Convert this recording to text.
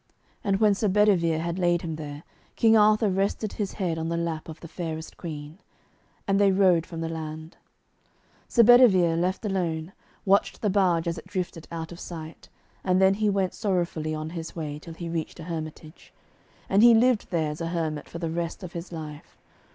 And when Sir Bedivere had laid him there, King Arthur rested his head on the lap of the fairest Queen. And they rowed from land. Sir Bedivere, left alone, watched the barge as it drifted out of sight, and then he went sorrowfully on his way, till he reached a hermitage. And he lived there as a hermit for the rest of his life.